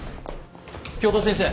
教頭先生！